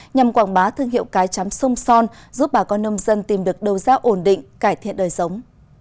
nhằm quảng bá thương hiệu cá chắm sông son giúp bà con nông dân tìm được đầu giao ổn định cải thiện đời sống